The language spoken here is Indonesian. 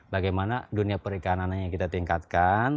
bagaimana dunia perikanannya kita tingkatkan